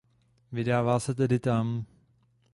Vydává se tedy tam.